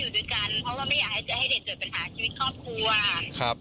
ช่างแทนแทนมาให้เกิดปัญหา